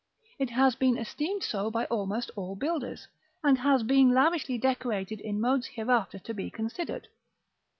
It has been esteemed so by almost all builders, and has been lavishly decorated in modes hereafter to be considered.